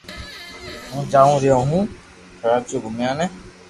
ھون جاوُ رھيو ھون ڪراچو گومياني